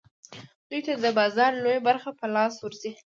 دوی ته د بازار لویه برخه په لاس ورځي